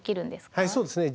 はいそうですね。